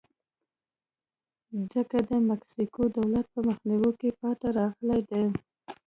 ځکه د مکسیکو دولت په مخنیوي کې پاتې راغلی دی.